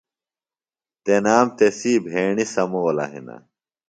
تنام تسی بھیݨیۡ سمولہ ہِنہ۔